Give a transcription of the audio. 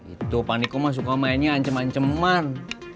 itu paniku mah suka mainnya anceman anceman